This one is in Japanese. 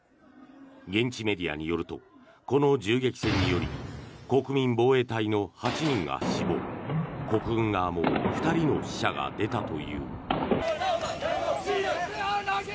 現地メディアによるとこの銃撃戦により国民防衛隊の８人が死亡国軍側も２人の死者が出たという。